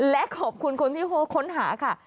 และขอบคุณคนที่ค้นหาค่ะ